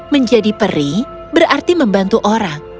menjadi peri berarti membantu orang